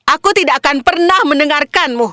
aku tidak akan pernah mendengarkanmu